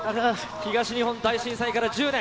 東日本大震災から１０年。